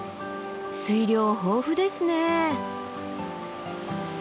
水量豊富ですね。